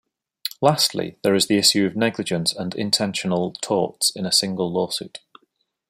Lastly, there is the issue of negligence and intentional torts in a single lawsuit.